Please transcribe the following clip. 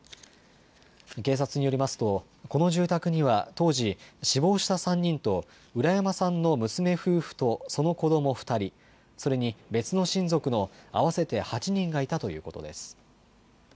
警察によりますと、この住宅には当時、死亡した３人と浦山さんの娘夫婦とその子ども２人、それに別の親族の合わせて８人がいたということです。